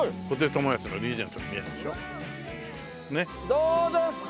どうですか？